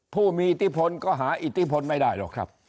ผู้มีอิทธิพลก็หาอิทธิพลไม่ได้หรอกครับ